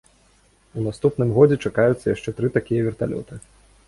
У наступным годзе чакаюцца яшчэ тры такія верталёты.